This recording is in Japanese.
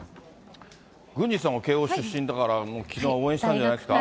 郡司さんも慶応出身だから、きのうは応援したんじゃないです